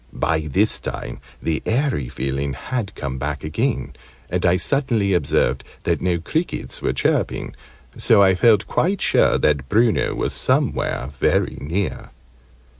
By this time the 'eerie' feeling had come back again, and I suddenly observed that no crickets were chirping; so I felt quite sure that Bruno was somewhere very near.